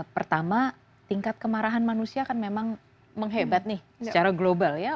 pertama tingkat kemarahan manusia kan memang menghebat nih secara global ya